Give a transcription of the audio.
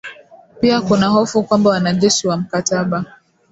Pia kuna hofu kwamba wanajeshi wa mkataba